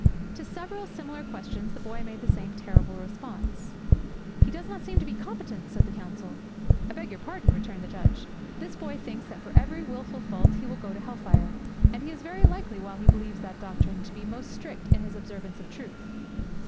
'To several similar questions the boy made the same terrible response. '"He does not seem to be competent," said the counsel. '"I beg your pardon," returned the judge. "This boy thinks that for every wilful fault he will go to hell fire; and he is very likely while he believes that doctrine to be most strict in his observance of truth.